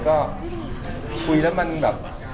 ก็คุยแล้วมันแบบ